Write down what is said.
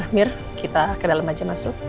mir kita ke dalam aja masuk